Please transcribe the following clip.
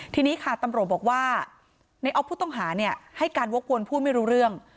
ทีนี้ตำรวจบอกว่านายอ๊อฟผู้ต้องหาให้การวกวนผู้ไม่รู้เรื่อง